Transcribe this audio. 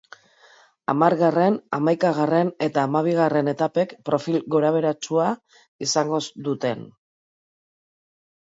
Hamargarren, hamaikagarren eta hamabigarren etapek profil gorabeheratsua izango duten.